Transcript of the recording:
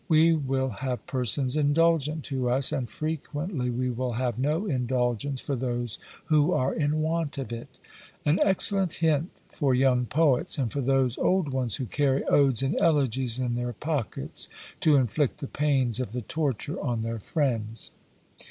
We will have persons indulgent to us, and frequently we will have no indulgence for those who are in want of it." An excellent hint for young poets, and for those old ones who carry odes and elegies in their pockets, to inflict the pains of the torture on their friends.